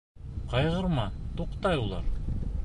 Ҡайғырма, туҡтай улар.